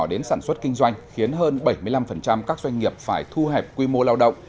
đến sản xuất kinh doanh khiến hơn bảy mươi năm các doanh nghiệp phải thu hẹp quy mô lao động